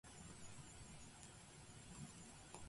熊本県津奈木町